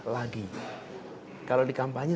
lagi kalau di kampanye